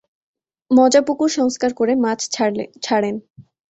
মজা পুকুর সংস্কার করে মাছ ছাড়েন।